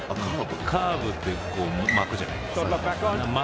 カーブって巻くじゃないですか。